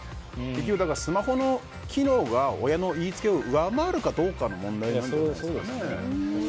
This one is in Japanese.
結局スマホの機能が親の言いつけを上回るかどうかの問題なんですよね。